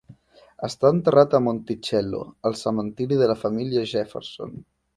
Està enterrat a Monticello, al cementiri de la família Jefferson.